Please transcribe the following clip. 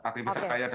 dikat di solo mbak